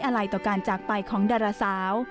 อะไรต่อการจากไปของดาราสาว